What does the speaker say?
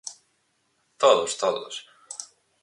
Todos, todos.